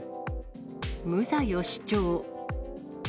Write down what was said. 無罪を主張。